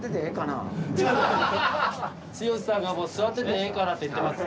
剛さんがもう「座っててええかな？」って言ってます。